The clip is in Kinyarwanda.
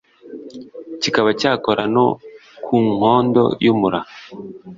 kikaba cyakora no ku nkondo y'umura